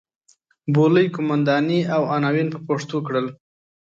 بولۍ قوماندې او عناوین په پښتو کړل.